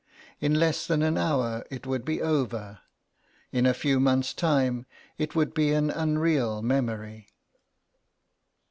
In less than an hour it would be over; in a few months' time it would be an unreal memory.